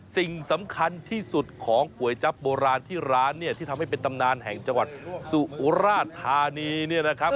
สิ่งสำคัญที่สุดของก๋วยจั๊บโบราณที่ร้านเนี่ยที่ทำให้เป็นตำนานแห่งจังหวัดสุราธานีเนี่ยนะครับ